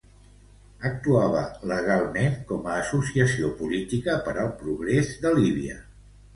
Actuava legalment com a Associació Política per al Progrés de Líbia.